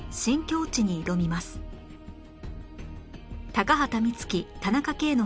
高畑充希田中圭の他